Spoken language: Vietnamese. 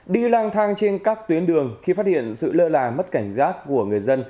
đi lang thang trên các tuyến đường khi phát hiện sự lơ là mất cảnh giác của người dân